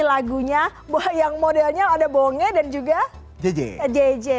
lagunya yang modelnya ada bonge dan juga jj